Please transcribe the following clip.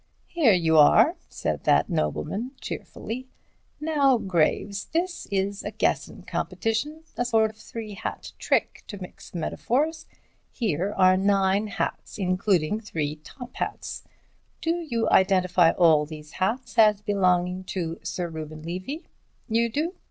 "Here you are," said that nobleman cheerfully, "now, Graves, this is a guessin' competition—a sort of three hat trick, to mix metaphors. Here are nine hats, including three top hats. Do you identify all these hats as belonging to Sir Reuben Levy? You do?